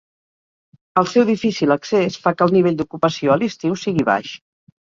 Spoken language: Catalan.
El seu difícil accés fa que el nivell d'ocupació a l'estiu sigui baix.